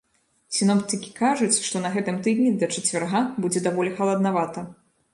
Сіноптыкі кажуць, што на гэтым тыдні да чацвярга будзе даволі халаднавата.